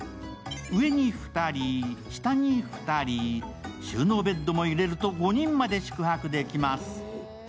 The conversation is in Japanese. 上に２人、下に２人、収納ベッドも入れると５人まで宿泊できます。